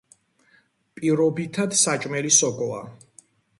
პირობითად საჭმელი სოკოა.